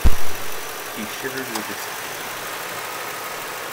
He shivered with excitement.